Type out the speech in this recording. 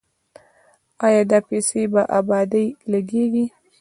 آیا دا پیسې په ابادۍ لګیږي؟